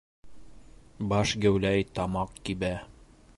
Баш геүләй, тамаҡ кибә.